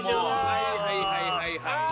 はいはいはいはいはい。